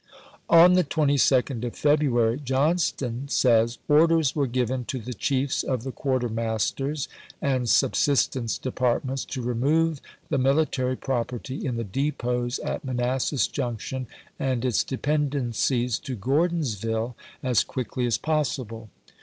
On 1862. the 22d of February, Johnston says, " Orders were given to the chiefs of the quartermaster's and sub sistence departments to remove the military prop erty in the depots at Manassas Junction and its dependencies to Grordonsville as quickly as pos sible."